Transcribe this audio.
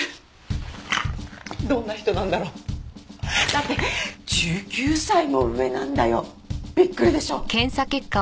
どんな人なんだろう？だって１９歳も上なんだよ。びっくりでしょ？